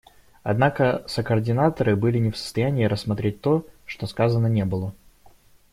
Однако сокоординаторы были не в состоянии рассмотреть то, что сказано не было.